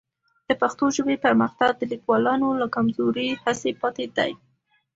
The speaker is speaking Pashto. د پښتو ژبې پرمختګ د لیکوالانو له کمزورې هڅې پاتې دی.